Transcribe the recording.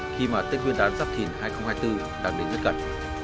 khi mà tết nguyên đán giáp thìn hai nghìn hai mươi bốn đạt đến nhất gần